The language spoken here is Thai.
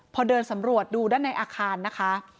พอเดินสำรวจดูด้านในอาคารนะคะ